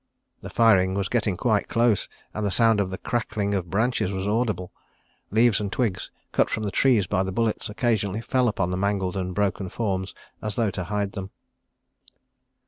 The firing was getting quite close, and the sound of the cracking of branches was audible. Leaves and twigs, cut from the trees by the bullets, occasionally fell upon the mangled and broken forms as though to hide them.